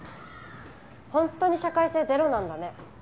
本当に社会性ゼロなんだね。